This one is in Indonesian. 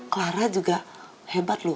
clara juga hebat loh